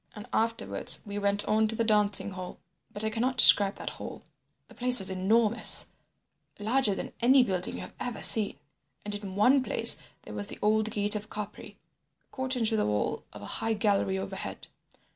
"And afterwards we went on to the dancing hall. But I cannot describe that hall. The place was enormous—larger than any building you have ever seen—and in one place there was the old gate of Capri, caught into the wall of a gallery high overhead.